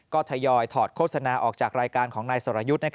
ก็ทยอยถอดโฆษณาออกจากรายการของนายสรยุทธ์